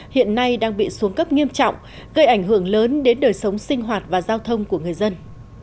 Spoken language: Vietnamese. hiện nay đang bị xuống cấp nghiêm trọng gây ảnh hưởng lớn đến đời sống sinh hoạt và giao thông của người dân